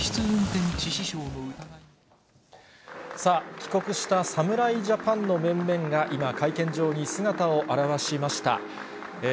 帰国した侍ジャパンの面々が今、会見場に姿を現しました。